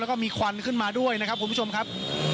แล้วก็มีควันขึ้นมาด้วยนะครับคุณผู้ชมครับ